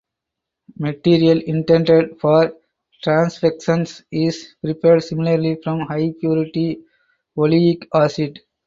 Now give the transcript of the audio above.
Material intended for transfection is prepared similarly from high purity oleic acid.